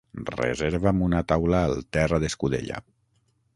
Reserva'm una taula al terra d'escudella.